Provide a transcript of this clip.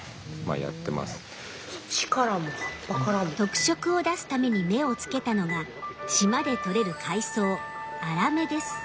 特色を出すために目をつけたのが島でとれる海藻アラメです。